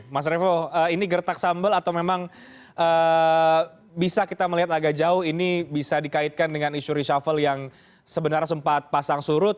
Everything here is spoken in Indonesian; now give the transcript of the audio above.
mas revo ini gertak sambal atau memang bisa kita melihat agak jauh ini bisa dikaitkan dengan isu reshuffle yang sebenarnya sempat pasang surut